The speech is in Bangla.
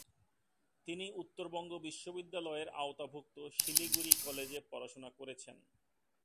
তিনি উত্তরবঙ্গ বিশ্ববিদ্যালয়ের আওতাভুক্ত শিলিগুড়ি কলেজে পড়াশোনা করেছেন।